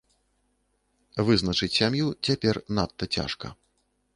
Вызначыць сям'ю цяпер надта цяжка.